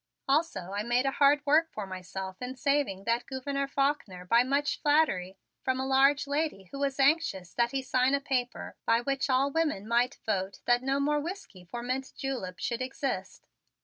Also I made a hard work for myself in saving that Gouverneur Faulkner by much flattery from a large lady who was anxious that he sign a paper by which all women might vote that no more whiskey for mint julep should exist.